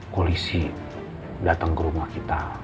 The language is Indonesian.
polisi datang ke rumah kita